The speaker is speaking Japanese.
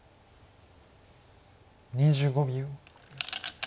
２５秒。